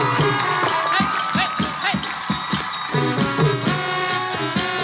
โอ้โหโอ้โหโอ้โหโอ้โห